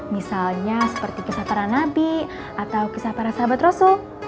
misalnya seperti kisah para nabi atau kisah para sahabat rasul